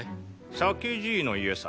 酒爺の家さ。